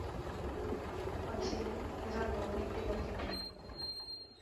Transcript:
El cinema és el meu únic divertiment.